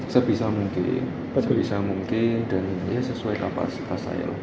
sebisa mungkin dan sesuai kapasitas saya